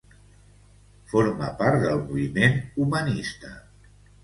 Forma part del Moviment Humanista.